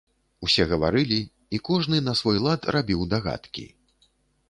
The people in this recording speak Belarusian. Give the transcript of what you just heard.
Усе гаварылі, і кожны на свой лад рабіў дагадкі.